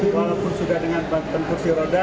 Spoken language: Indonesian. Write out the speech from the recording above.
walaupun sudah dengan penkursi roda